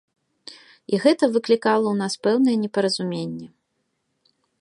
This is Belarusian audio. І гэта выклікала ў нас пэўнае непаразуменне.